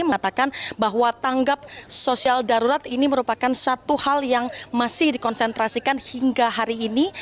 mengatakan bahwa tanggap sosial darurat ini merupakan satu hal yang masih dikonsentrasikan hingga hari ini